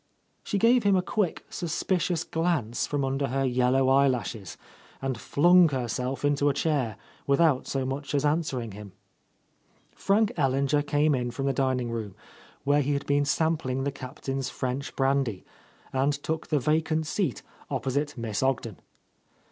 She gave him a quick, suspicious glance from under her yellow eyelashes and flung herself into a chair without so much as answering him. Frank Ellinger came in from the dining room, —? 6 —. A Lost Lady where he had been saq ipling the Ca ptain's French brandy, and took tli^ yacaht seat opposite Miss Ogden.